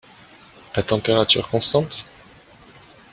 À température constante?